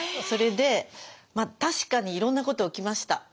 それでまあ確かにいろんなこと起きました。